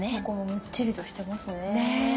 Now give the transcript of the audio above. むっちりとしてますね。